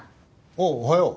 おうおはよう。